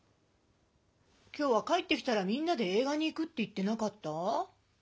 今日は帰ってきたらみんなでえい画に行くって言ってなかった？